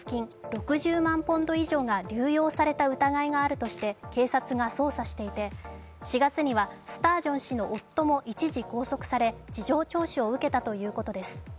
６０万ポンド以上が流用された疑いがあるとして警察が捜査していて４月にはスタージョン氏の夫も一時拘束され事情聴取を受けたということです。